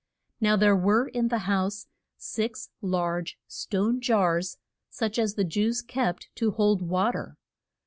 Now there were in the house six large stone jars such as the Jews kept to hold wa ter.